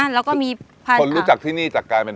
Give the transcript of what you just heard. แล้วก็มีคนรู้จักที่นี่จากกลายเป็น